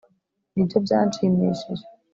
Nibyo byanshimishije